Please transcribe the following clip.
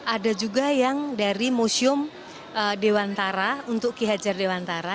ada juga yang dari museum dewantara untuk ki hajar dewantara